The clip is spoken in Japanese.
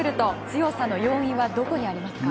強さの要因はどこにありますか？